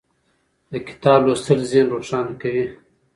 د کتاب لوستل ذهن روښانه کوي.